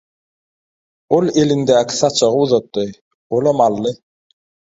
Ol elindäki saçagy uzatdy. Olam aldy.